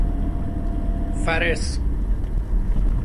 فرث